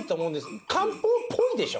漢方っぽいでしょ？